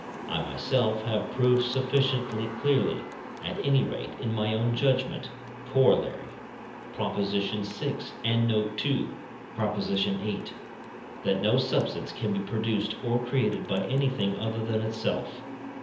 I myself have proved sufficiently clearly, at any rate in my own judgment (Coroll. Prop. vi, and note 2, Prop. viii.), that no substance can be produced or created by anything other than itself.